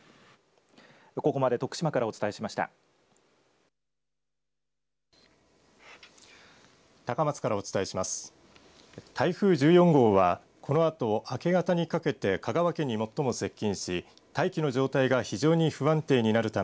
ここまで徳島からお伝えしました。